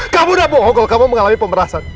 kamu udah bohong kalau kamu mengalami pemerasan